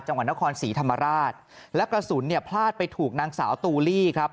จังหวัดนครศรีธรรมราชและกระสุนเนี่ยพลาดไปถูกนางสาวตูลี่ครับ